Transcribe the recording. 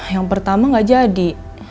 yang pertama gak jadi